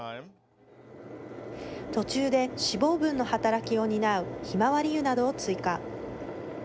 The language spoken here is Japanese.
途中で脂肪分の働きを担うひまわり油などを追加。